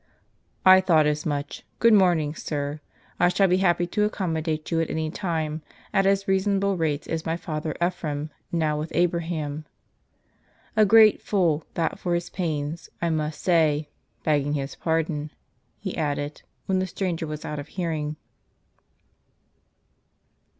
" I thought as much ; good morning, sir. I shall be happy to accommodate you at any time, at as reasonable rates as my father Epliraim, now with Abraham. A great fool that for his pains, I must say, begging his pardon," he added, when the stranger was out of hearing.